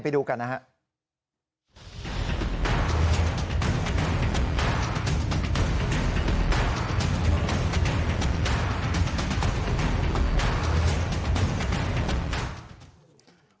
ไปดูกันนะครับ